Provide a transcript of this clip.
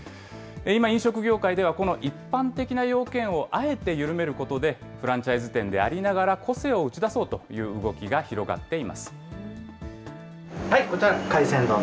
今、飲食業界では、この一般的な要件をあえて緩めることで、フランチャイズ店でありながら個性を打ち出そうという動きが広がっています。